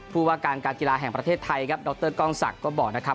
ผู้ว่าการการกีฬาแห่งประเทศไทยครับดรกล้องศักดิ์ก็บอกนะครับ